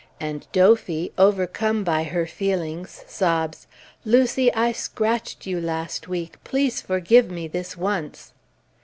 And Dophy, overcome by her feelings, sobs, "Lucy, I scratched you last week! please forgive me this once!"